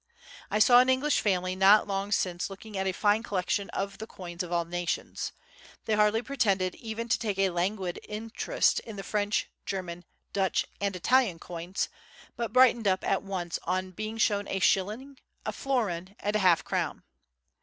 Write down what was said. I saw an English family not long since looking at a fine collection of the coins of all nations. They hardly pretended even to take a languid interest in the French, German, Dutch and Italian coins, but brightened up at once on being shown a shilling, a florin and a half crown.